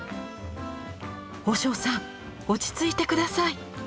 「和尚さん落ち着いて下さい！」。